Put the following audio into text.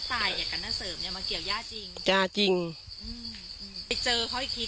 นาตายเนี่ยกับนาเสริมเนี้ยมันเกี่ยวย่าจริงจริงไปเจอเขาอีกที